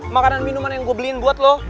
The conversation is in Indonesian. makanan minuman yang gue beliin buat loh